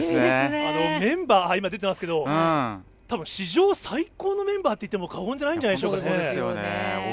メンバーが史上最高のメンバーといっても過言じゃないんじゃないんでしょうかね。